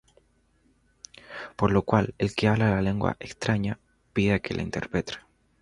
Por lo cual, el que habla lengua extraña, pida que la interprete.